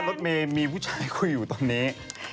บอกว่ารสมมติมีผู้ชายคุยอยู่ตอนนี้